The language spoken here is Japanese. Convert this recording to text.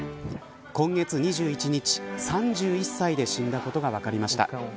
今月２１日３１歳で死んだことが分かりました。